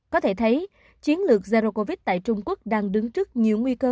có thể thấy chiến lược zero covid tại trung quốc đang đứng trước nhiều nguy cơ